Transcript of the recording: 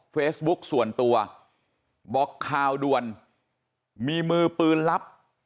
เฟซบุ๊กส่วนตัวบอกข่าวด่วนมีมือปืนลับ